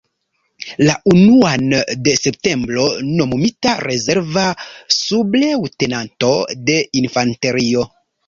La unuan de septembro nomumita rezerva subleŭtenanto de infanterio.